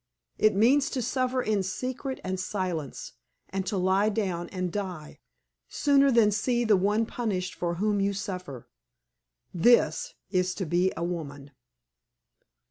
It means to suffer in secret and silence, and to lie down and die, sooner than see the one punished for whom you suffer. This is to be a woman.